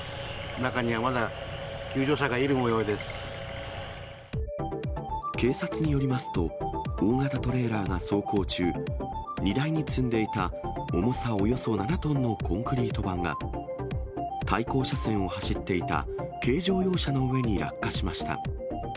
中にはまだ、警察によりますと、大型トレーラーが走行中、荷台に積んでいた重さおよそ７トンのコンクリート板が、対向車線を走っていた軽乗用車の上に落下しました。